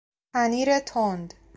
پنیر تند